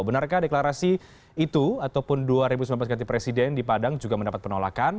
benarkah deklarasi itu ataupun dua ribu sembilan belas ganti presiden di padang juga mendapat penolakan